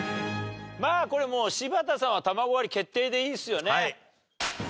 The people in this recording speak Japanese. まあこれもう柴田さんは卵割り決定でいいですよね？